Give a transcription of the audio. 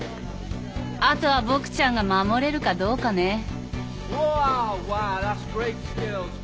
あとはボクちゃんが守れるかどうかね。